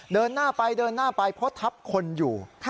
เดินหน้าไปเดินหน้าไปเพราะทับคนอยู่